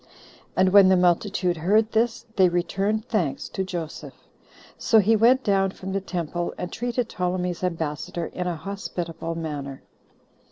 And when the multitude heard this, they returned thanks to Joseph. So he went down from the temple, and treated Ptolemy's ambassador in a hospitable manner.